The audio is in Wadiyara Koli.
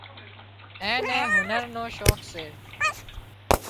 اين نين هنر نو شوق سي